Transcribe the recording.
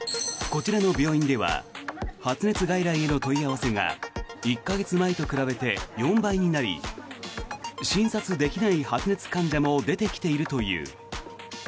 こちらの病院では発熱外来への問い合わせが１か月前と比べて４倍になり診察できない発熱患者も出てきているという。